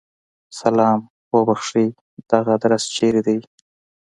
سلام! اوبښئ! دغه ادرس چیرته دی؟